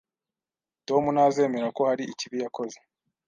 Tom ntazemera ko hari ikibi yakoze